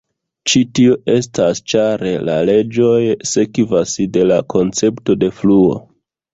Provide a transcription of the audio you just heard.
Ĉi tio estas ĉar la leĝoj sekvas de la koncepto de fluo.